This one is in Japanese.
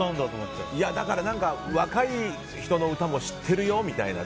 若い人の歌も知ってるよみたいな。